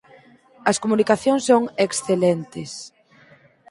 As comunicacións son excelentes.